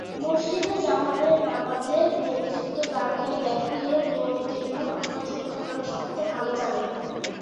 মসজিদে জামাতের নামাজের নেতৃত্বদানকারী ব্যক্তি হলেন নিয়মিত ইমাম, অথবা যিনি কুরআন সবচেয়ে ভালো জানেন।